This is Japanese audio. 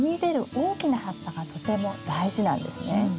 大きな葉っぱがとても大事なんですね。